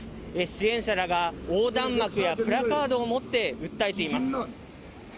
支援者らが横断幕やプラカードを持って、訴えています。